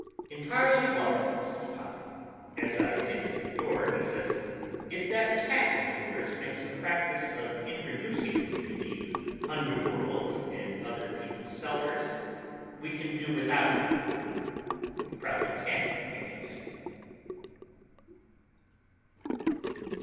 "Entirely welcome," says Pop. As I get to the door, he adds, "If that cat of yours makes a practice of introducing you to the underworld in other people's cellars, we can do without him. We probably can anyway."